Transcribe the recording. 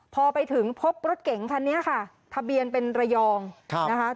พอไปถึงพบรถเก๋งคันนี้ค่ะทะเบียนเป็นระยองนะคะ